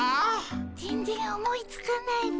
全然思いつかないっピ。